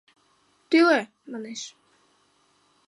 Тӱлӧ, манеш.